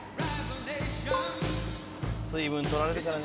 水分取られるからな。